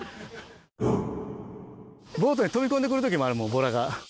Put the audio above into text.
ボートに飛び込んで来る時もあるもんボラが。